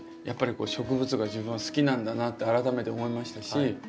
やっぱり植物が自分は好きなんだなって改めて思いましたし。